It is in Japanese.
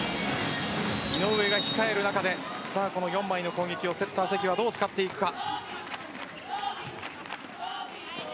井上が控える中でこの４枚の攻撃をセッター・関はどう使っていくか。